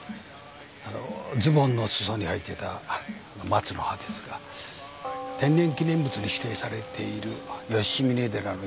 あのーズボンの裾に入っていた松の葉ですが天然記念物に指定されている善峯寺の